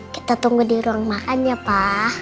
kita tunggu di ruang makan ya pak